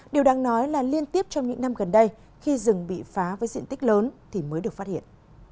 điều đáng nói là liên tiếp trong những năm gần đây khi rừng bị phá với diện tích lớn thì mới được phát hiện